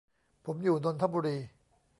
ผมอยู่นนทบุรี